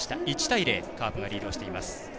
１対０カープがリードしています。